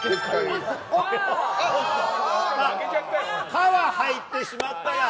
「か」は入ってしまったが。